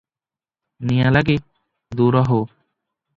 ନିଆଁଲାଗି, ଦୂର ହୋ!